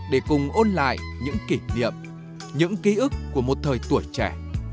để cùng ôn lại những kỷ niệm những ký ức của một thời tuổi trẻ